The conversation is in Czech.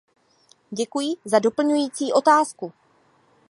Děkuji za doplňující otázku.